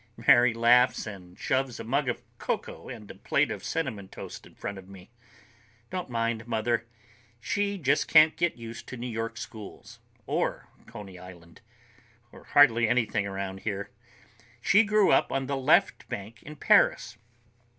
Mary laughs and shoves a mug of cocoa and a plate of cinnamon toast in front of me. "Don't mind Mother. She just can't get used to New York schools. Or Coney Island. Or hardly anything around here. "She grew up on the Left Bank in Paris.